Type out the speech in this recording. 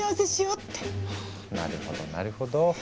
なるほどなるほど。